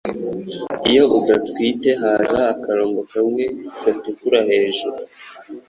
iyo udatwite haza akarongo kamwe gatukura hejuru